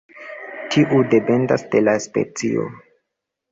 Tiu dependas de la specio.